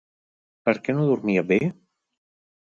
Per què no dormia bé?